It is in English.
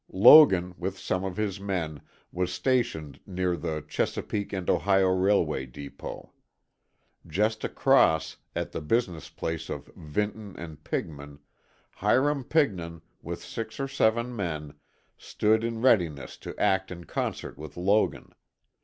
Logan, with some of his men, was stationed near the Chesapeake & Ohio Railway Depot. Just across, at the business place of Vinton & Pigman, Hiram Pigman, with six or seven men, stood in readiness to act in concert with Logan.